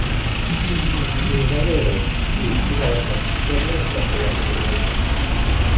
He was under age, he was too delicate; he had no special recommendations.